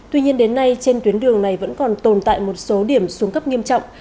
tuy nhiên đến nay trên tuyến đường này vẫn còn tồn tại một số điểm xuống cấp nghiêm trọng